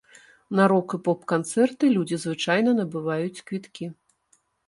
На рок- і поп-канцэрты людзі звычайна набываюць квіткі.